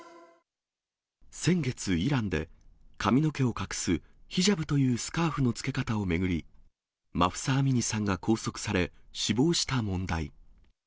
先月、イランで髪の毛を隠すヒジャブというスカーフの着け方を巡り、マフサ・アミニさんが拘束され、死亡した問題。